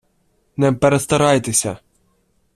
Не перестарайтеся.